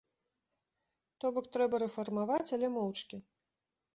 То бок, трэба рэфармавацца, але моўчкі.